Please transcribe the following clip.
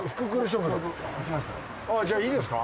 じゃあいいですか？